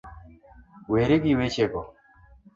Weri gi wechego